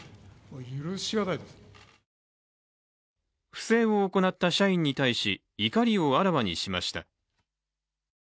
不正を行った社員に対し怒りをあらわにしました。